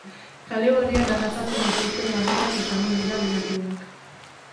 Kale gorrian harrapatzen dituzten lagunak izango dira lehiakideak.